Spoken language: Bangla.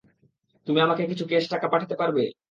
তুমি আমাকে কিছু ক্যাশ টাকা পাঠাতে পারবে?